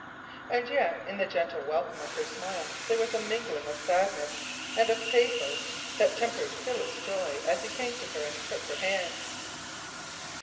And yet in the gentle welcome of her smile there was a mingling of sadness and of pathos that tempered Philip's joy as he came to her and took her hands.